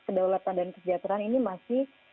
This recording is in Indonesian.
kedaulatan dan kesejahteraan ini masih